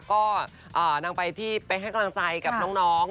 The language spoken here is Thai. ก็นางไปที่ไปให้กำลังใจกับน้อง